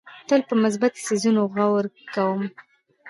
تل په مثبتو څیزونو غور کوم.